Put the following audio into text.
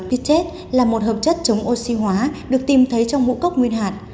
pit tet là một hợp chất chống oxy hóa được tìm thấy trong mũ cốc nguyên hạt